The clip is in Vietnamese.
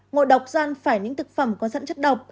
ngộ độc do ăn phải những thực phẩm có sẵn chất độc